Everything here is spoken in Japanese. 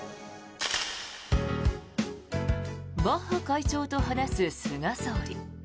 バッハ会長と話す菅総理。